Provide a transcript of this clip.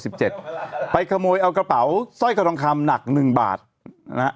สิบเจ็ดไปขโมยเอากระเป๋าส้อยจอดรองคำหนักหนึ่งบาทน่ะ